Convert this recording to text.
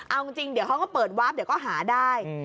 เอาจริงเดี๋ยวเขาก็เปิดวาร์ฟเดี๋ยวก็หาได้